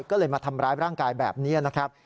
ก็เลยมาทำร้ายร่างกายแบบนี้นะครับ